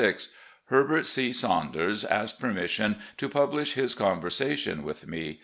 "Herbert C. Saimders asks permission to publish his conversation with me.